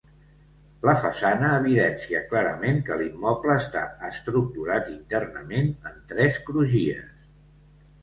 La façana evidencia clarament que l'immoble està estructurat internament en tres crugies.